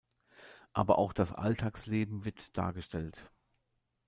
Aber auch das Alltagsleben wird dargestellt.